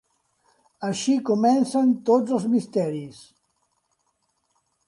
Així comencen tots els misteris.